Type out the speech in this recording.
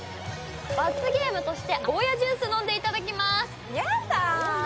罰ゲームとしてゴーヤジュース飲んでいただきます。